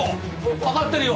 分かってるよ。